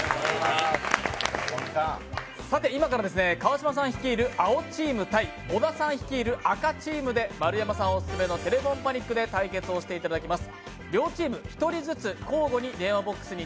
さて、今から川島さん率いる青チーム対小田さん率いる赤チームで丸山さんオススメの「テレホンパニック」で対決していただきます。